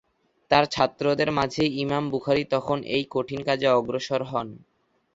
তাঁর ছাত্রদের মাঝে ইমাম বুখারী তখন এই কঠিন কাজে অগ্রসর হন।